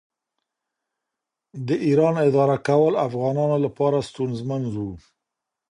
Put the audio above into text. د ایران اداره کول افغانانو لپاره ستونزمن و.